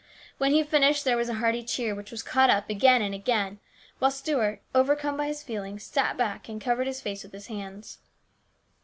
When he finished there was a hearty cheer, which was caught up again and again, while Stuart, overcome by his feelings, sat back and covered his face with his hands.